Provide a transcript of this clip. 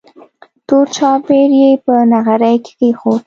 تور چایبر یې په نغري کې کېښود.